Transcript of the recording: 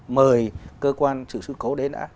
mời cơ quan xử xử cố đến ạ